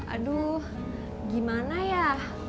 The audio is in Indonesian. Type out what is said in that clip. aduh gimana ya